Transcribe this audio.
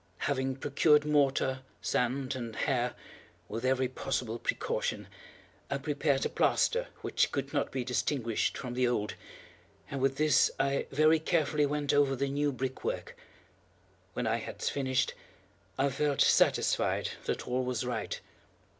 Having procured mortar, sand, and hair, with every possible precaution, I prepared a plaster which could not be distinguished from the old, and with this I very carefully went over the new brickwork. When I had finished, I felt satisfied that all was right.